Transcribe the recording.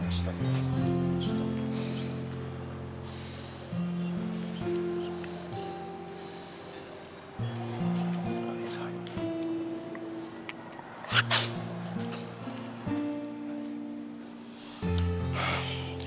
terus luar biasa